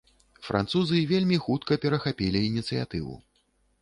Французы вельмі хутка перахапілі ініцыятыву.